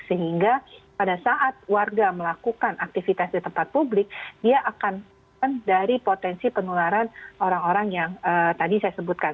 sehingga pada saat warga melakukan aktivitas di tempat publik dia akan dari potensi penularan orang orang yang tadi saya sebutkan